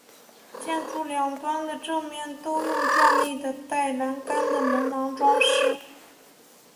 建筑两端的正面都用壮丽的带栏杆的门廊装饰。